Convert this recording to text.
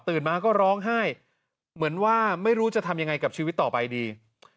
มาก็ร้องไห้เหมือนว่าไม่รู้จะทำยังไงกับชีวิตต่อไปดี